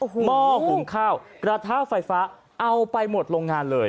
หม้อหุงข้าวกระทะไฟฟ้าเอาไปหมดโรงงานเลย